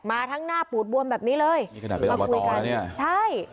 มาทั้งหน้าปูดบวมแบบนี้เลยนี่ขนาดไปมาคุยกันเนี่ยใช่